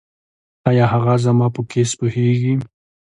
ایا هغه زما په کیس پوهیږي؟